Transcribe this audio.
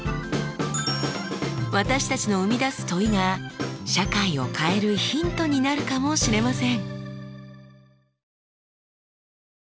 私たちの生み出す問いが社会を変えるヒントになるかもしれません。